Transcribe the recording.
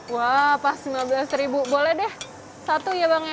wah pas lima belas ribu boleh deh satu ya bang ya